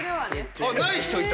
あっない人いた！